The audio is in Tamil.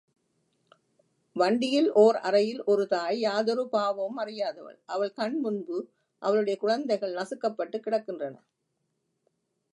வண்டியில் ஓர் அறையில் ஒரு தாய் யாதொரு பாவமும் அறியாதவள் அவள் கண்முன்பு அவளுடைய குழந்தைகள் நசுக்கபட்டுக் கிடக்கின்றன.